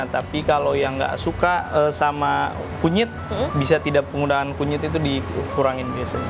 tapi kalau yang nggak suka sama kunyit bisa tidak penggunaan kunyit itu dikurangin biasanya